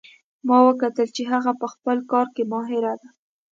ما وکتل چې هغه په خپل کار کې ماهر ده